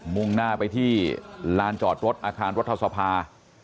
มุ่งหน้าไปที่ลานจอดรถอาคารรัฐสภา